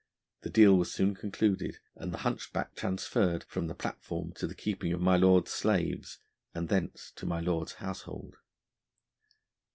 The deal was soon concluded and the hunchback transferred from the platform to the keeping of my lord's slaves, and thence to my lord's household.